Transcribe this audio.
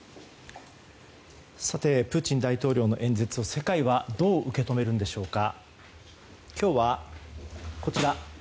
プーチン大統領の演説を世界はどう受け止めるんでしょうか。